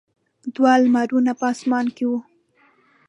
دوه لمرونه په اسمان کې وو.